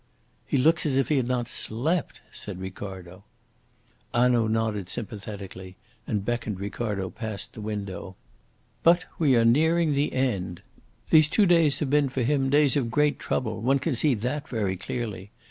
"He looks as if he had not slept," said Ricardo. Hanaud nodded sympathetically, and beckoned Ricardo past the window. "But we are nearing the end. These two days have been for him days of great trouble; one can see that very clearly.